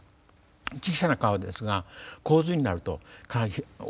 小さな川ですが洪水になるとかなり大きい川になります。